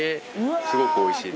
すごくおいしいです。